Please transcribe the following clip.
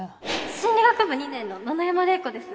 心理学部２年の野々山怜子です。